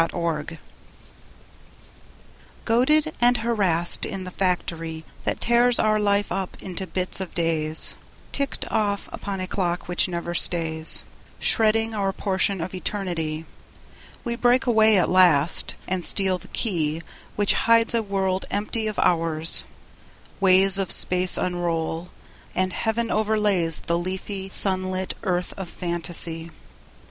The Matrix Goaded and harassed in the factory That tears our life up into bits of days Ticked off upon a clock which never stays, Shredding our portion of Eternity, We break away at last, and steal the key Which hides a world empty of hours; ways Of space unroll, and Heaven overlays The leafy, sun lit earth of Fantasy.